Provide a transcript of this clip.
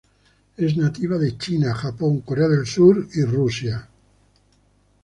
Es nativa de China, Japón, Corea del Sur y Rusia.